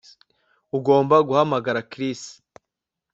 Ugomba guhamagara Chris